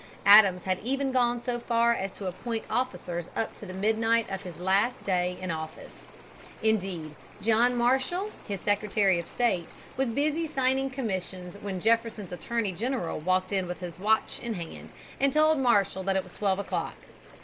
Adams had even gone so far as to appoint officers up to midnight of his last day in office. Indeed, John Marshall, his Secretary of State, was busy signing commissions when Jefferson's Attorney General walked in with his watch in hand and told Marshall that it was twelve o'clock.